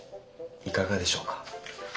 いかがでしょうか？